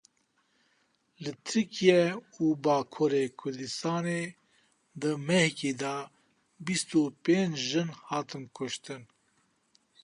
Li Tirkiye û Bakurê Kurdistanê di mehekê de bîst û pênc jin hatin kuştin.